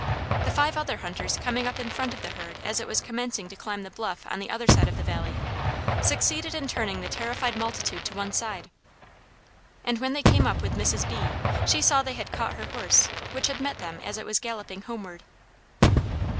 The five other hunters coming up in front of the herd as it was commencing to climb the bluff on the other side of the valley, succeeding in turning the terrified multitude to one side, and when they came up with Mrs. B she saw they had caught her horse, which had met them as it was galloping homeward.